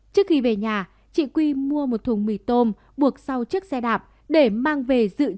trước khi về nhà chị quy mua một thùng mì tôm buộc sau chiếc xe đạp để mang về dự trữ cho gia đình